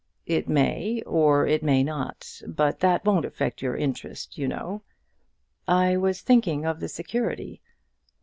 "It may, or it may not; but that won't affect your interest, you know." "I was thinking of the security."